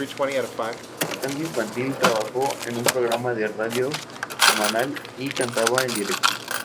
Como cantante infantil, trabajó en un programa de radio semanal y cantaba en directo.